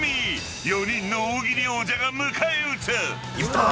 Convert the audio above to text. ［４人の大喜利王者が迎え撃つ］